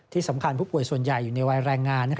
ที่สำคัญผู้ป่วยส่วนใหญ่อยู่ในวัยแรงงาน